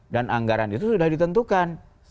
dan anggaran itu sudah ditentukan